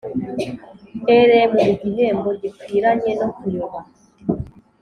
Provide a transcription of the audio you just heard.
Rm igihembo gikwiranye no kuyoba